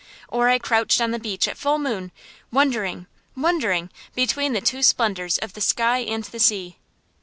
Or I crouched on the beach at full moon, wondering, wondering, between the two splendors of the sky and the sea.